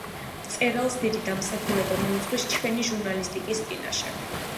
მწერალს დიდი დამსახურება მიუძღვის ჩვენი ჟურნალისტიკის წინაშე.